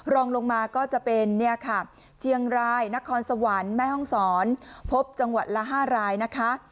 รองลงมาก็จะเป็นเนี่ยค่ะเชียงรายนครสวรรค์แม่ห้องศรพบจังหวัดละ๕รายนะคะ